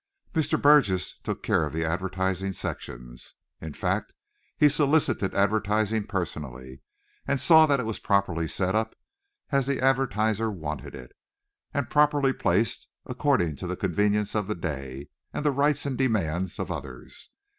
Mr. Burgess took care of the advertising sections. In fact he solicited advertising personally, saw that it was properly set up as the advertiser wanted it, and properly placed according to the convenience of the day and the rights and demands of others.